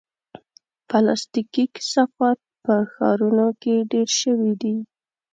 پلاستيکي کثافات په ښارونو کې ډېر شوي دي.